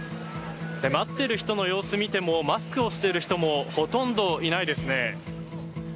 待ってる人の様子を見てもマスクをしてる人もほとんどいないですね。